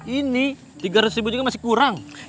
ini tiga ratus ribu juga masih kurang